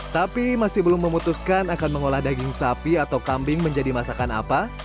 tapi masih belum memutuskan akan mengolah daging sapi atau kambing menjadi masakan apa